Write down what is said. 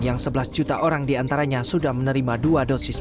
yang sebelas juta orang diantaranya sudah menerima dua dosis